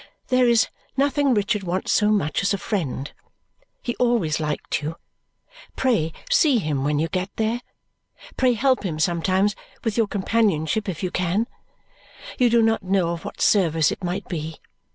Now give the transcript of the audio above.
"There is nothing Richard wants so much as a friend. He always liked you. Pray see him when you get there. Pray help him sometimes with your companionship if you can. You do not know of what service it might be.